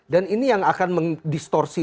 dan ini yang akan mendistorsi